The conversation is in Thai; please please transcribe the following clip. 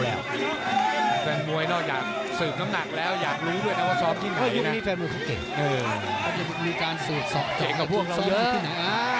แฟนมือเค้าเก่งเค้าจะมีการสืบสอบจังกับพวกเราเยอะนะ